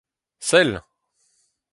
Sell !